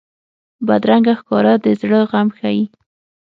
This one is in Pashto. بدرنګه ښکاره د زړه غم ښيي